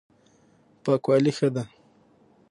پاکوالی ښه دی.